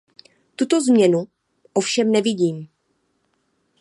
Tuto změnu ovšem nevidím.